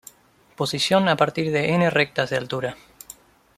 Posición a partir de n Rectas de Altura.